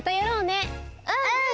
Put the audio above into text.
うん！